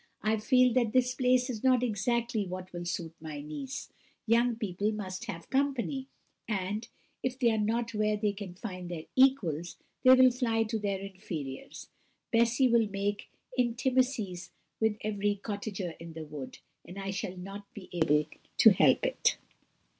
I feel that this place is not exactly what will suit my niece young people must have company; and if they are not where they can find their equals, they will fly to their inferiors. Bessy will make intimacies with every cottager in the wood, and I shall not be able to help it."